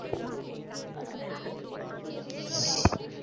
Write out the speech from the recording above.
তিনি তার শেষ জবিন পর্যন্ত ব্যবহার করেছেন।